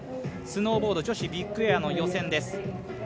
スノーボード女子ビッグエアの予選です。